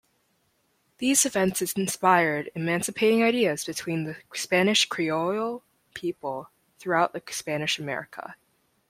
These events inspired emancipating ideas between the Spanish Criollo people throughout the Spanish America.